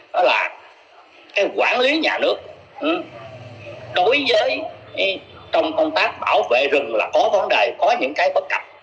đó là cái quản lý nhà nước đối với trong công tác bảo vệ rừng là có vấn đề có những cái bất cập